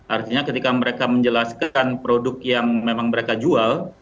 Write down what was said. artinya ketika mereka menjelaskan produk yang memang mereka jual